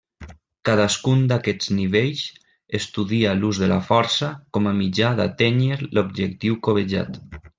Cadascun d'aquests nivells estudia l'ús de la força com a mitjà d'atènyer l'objectiu cobejat.